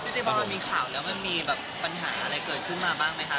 เจ๊บอยมันมีข่าวแล้วมันมีปัญหาอะไรเกิดขึ้นมาบ้างไหมคะ